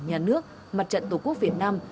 nhà nước mặt trận tổ quốc việt nam